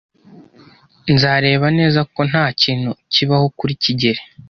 Nzareba neza ko ntakintu kibaho kuri kigeli.